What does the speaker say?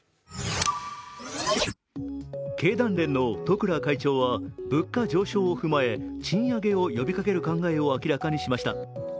経団連の十倉会長は物価上昇を踏まえ賃上げを呼びかける考えを明らかにしました。